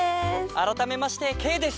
あらためましてケイです！